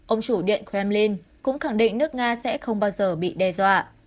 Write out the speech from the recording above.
ông chủ điện kremlin cũng khẳng định nước nga sẽ không bao giờ bị đe dọa